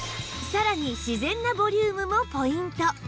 さらに自然なボリュームもポイント